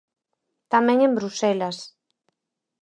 Tamén en Bruxelas.